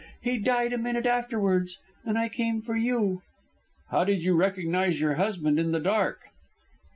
He died a minute afterwards, and I came for you." "How did you recognise your husband in the dark?"